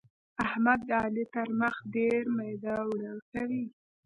احمد د علي تر مخ ډېر ميده اوړه کوي.